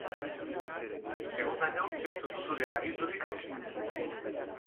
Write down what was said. Egundaino ez dut zure agindurik hautsi.